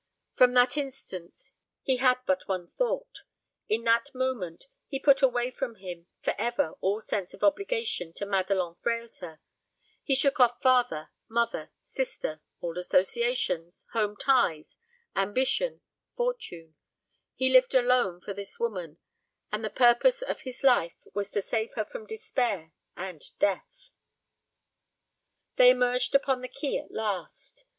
From that instant he had but one thought; in that moment he put away from him for ever all sense of obligation to Madelon Frehlter; he shook off father, mother, sister, old associations, home ties, ambition, fortune he lived alone for this woman, and the purpose of his life was to save her from despair and death. They emerged upon the quay at last.